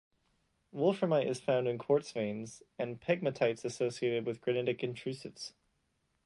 Wolframite is found in quartz veins and pegmatites associated with granitic intrusives.